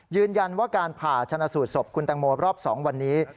ยืนยันว่าการผ่าชนะสูตรศพคุณแตงโมรอบ๒วันนี้